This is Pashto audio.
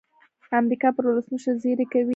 امریکا پر ولسمشر زېری کوي.